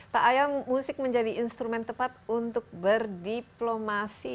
tak ayal musik menjadi instrumen tepat untuk berdiplomasi